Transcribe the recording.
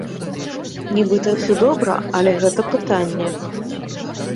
Нібыта ўсё добра, але гэта пытанне.